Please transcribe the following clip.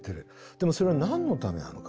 でもそれは何のためなのか？